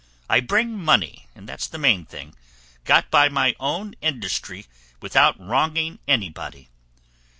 I bring money, and that's the main thing, got by my own industry without wronging anybody."